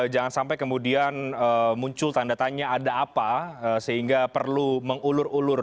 jangan sampai kemudian muncul tanda tanya ada apa sehingga perlu mengulur ulur